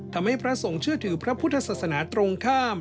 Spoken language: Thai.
ทำให้พระสงฆ์เชื่อถขึ้นพระพุทธศาสนาตรงข้าม